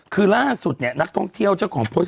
คือล่าสุดเนี่ยนักท่องเที่ยวเจ้าของโพสต์